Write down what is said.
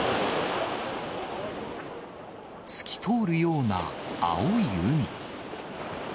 透き通るような青い海。